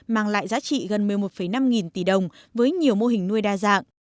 mang lại giá trị gần một mươi một năm nghìn tỷ đồng với nhiều mô hình nuôi đa dạng